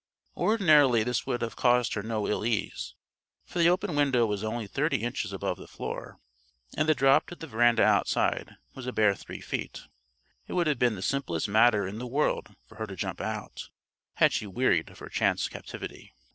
Ordinarily this would have caused her no ill ease, for the open window was only thirty inches above the floor, and the drop to the veranda outside was a bare three feet. It would have been the simplest matter in the world for her to jump out, had she wearied of her chance captivity.